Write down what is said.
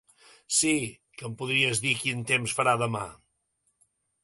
Sí, que em podries dir quin temps farà demà?